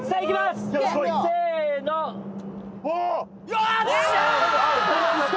よっしゃ！